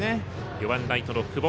４番ライトの久保